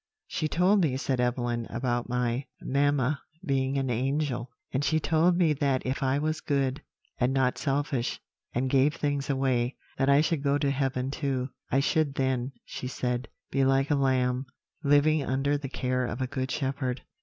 "'She told me,' said Evelyn, 'about my mamma being an angel; and she told me that if I was good, and not selfish, and gave things away, that I should go to heaven too; I should then, she said, be like a lamb living under the care of a good shepherd.'